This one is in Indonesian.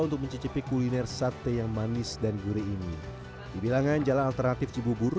untuk mencicipi kuliner sate yang manis dan gurih ini dibilangan jalan alternatif cibubur